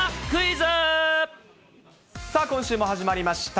さあ、今週も始まりました。